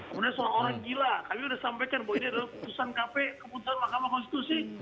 kemudian soal orang gila kami sudah sampaikan bahwa ini adalah keputusan kpu keputusan mahkamah konstitusi